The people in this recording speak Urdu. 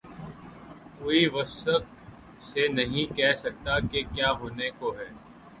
کوئی وثوق سے نہیں کہہ سکتا کہ کیا ہونے کو ہے۔